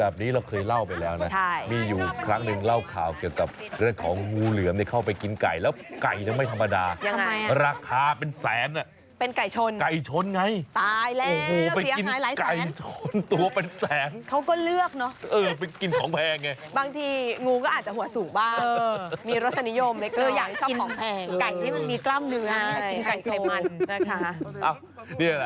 มีรสนิยมแบบน้อยคืออยากจะของแพงถือไก่ที่มันมีกล้ามเนื้อใช่ใครมันแบบนี้ล่ะ